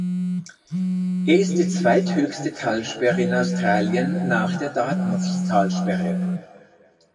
Er ist die zweithöchste Talsperre in Australien nach der Dartmouth-Talsperre.